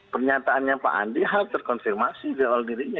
pernyataannya pak andi hal terkonfirmasi di awal dirinya